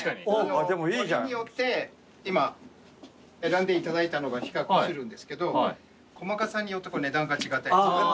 織りによって今選んでいただいたのが比較するんですけど細かさによって値段が違ったりするんで。